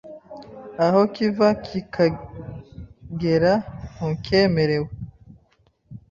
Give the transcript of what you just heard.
aho kiva kikagera ntukemerewe,